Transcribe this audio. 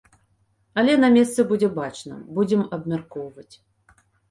Але на месцы будзе бачна, будзем абмяркоўваць.